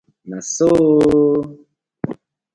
Na so ooo!